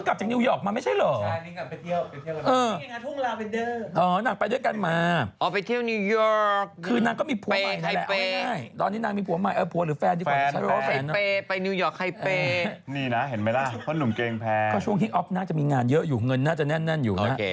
ก็ช่วงที่ออ๊อฟน่าจะมีงานเยอะอยู่เงินน่าจะแน่นอยู่นะ